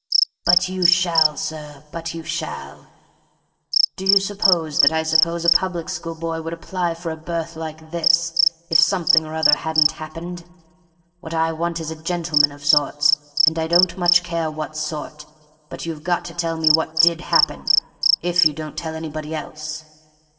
"But you shall, sir, but you shall! Do you suppose that I suppose a public school boy would apply for a berth like this if something or other hadn't happened? What I want is a gentleman of sorts, and I don't much care what sort; but you've got to tell me what did happen, if you don't tell anybody else.